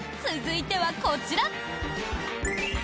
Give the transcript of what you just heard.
続いては、こちら。